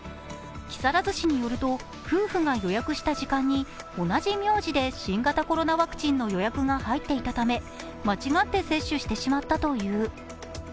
木更津市によると夫婦が予約した時間に同じ名字で新型コロナワクチンの予約が入っていたため、間違って接種してしまったという。